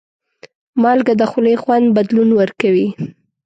مالګه د خولې خوند بدلون ورکوي.